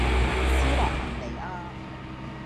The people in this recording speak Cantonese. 斯洛文尼亞